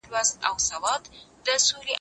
زه اوس د سبا لپاره د نوي لغتونو يادوم،